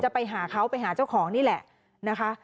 ไปหาเขาไปหาเจ้าของนี่แหละนะคะ